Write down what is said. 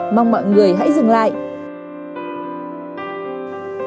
mong mọi người hãy dừng like